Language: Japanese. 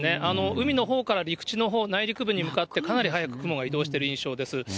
海のほうから陸地のほう、内陸部に向かってかなり速く雲が移動している印象です。